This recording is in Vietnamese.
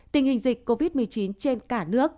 tình hình dịch covid một mươi chín trên cả nước